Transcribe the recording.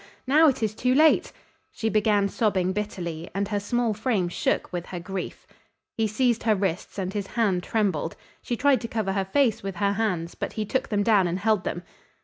Now it is too late." She began sobbing bitterly, and her small frame shook with her grief. He seized her wrists and his hand trembled. She tried to cover her face with her hands, but he took them down and held them.